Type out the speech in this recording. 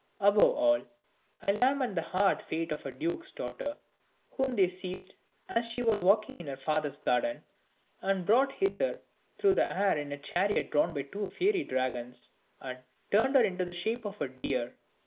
Above all, I lament the hard fate of a duke's daughter, whom they seized as she was walking in her father's garden, and brought hither through the air in a chariot drawn by two fiery dragons, and turned her into the shape of a deer.